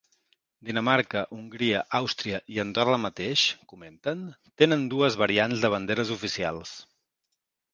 Dinamarca, Hongria, Àustria i Andorra mateix, comenten, tenen dues variants de banderes oficials.